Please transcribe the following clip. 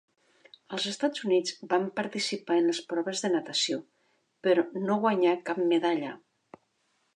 Els Estats Units van participar en les proves de natació, però no guanyà cap medalla.